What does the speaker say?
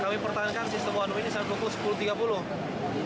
kami pertahankan sistem one way ini sampai pukul sepuluh tiga puluh